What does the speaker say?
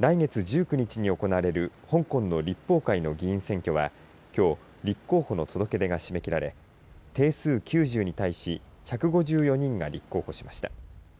来月１９日に行われる香港の立法会の議員選挙はきょう、立候補の届け出が締め切られ定数９０に対し１５４人が立候補しました。